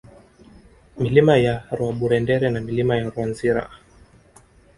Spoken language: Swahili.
Milima ya Rwaburendere na Milima ya Rwanzira